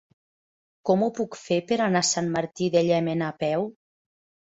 Com ho puc fer per anar a Sant Martí de Llémena a peu?